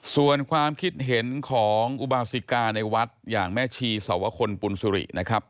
ส่วนความคิดเห็นของอุบาสิกาในวัดอย่างแม่ชีสวคลปุญสุรินะครับ